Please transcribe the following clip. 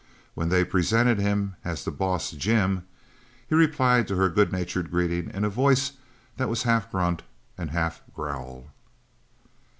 When they presented him as the boss, Jim, he replied to her good natured greeting in a voice that was half grunt and half growl.